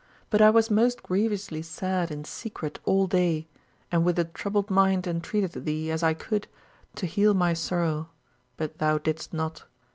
But I was most grievously sad in secret all the day, and with a troubled mind entreated thee, as I could, to heal my sorrow; but thou didst not.